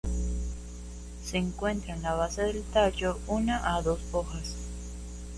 Se encuentra en la base del tallo una a dos hojas.